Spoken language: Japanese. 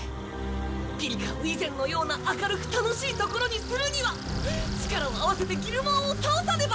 ピリカを以前のような明るく楽しい所にするには力を合わせてギルモアを倒さねば！